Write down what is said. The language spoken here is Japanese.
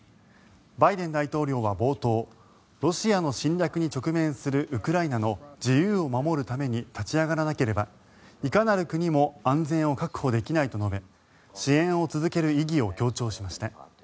バイデン大統領は冒頭ロシアの侵略に直面するウクライナの自由を守るために立ち上がらなければいかなる国も安全を確保できないと述べ支援を続ける意義を強調しました。